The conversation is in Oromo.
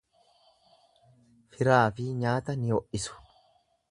Firaafi nyaata ni ho'isu.